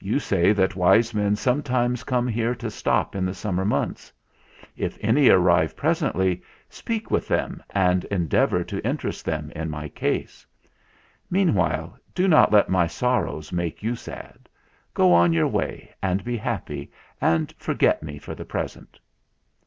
You say that wise men sometimes come here to stop in the summer months. If any arrive presently, speak with them and endeavour to interest them in my case. Meanwhile do not let my sorrows make you sad. Go on your way and be happy and forget me for the present."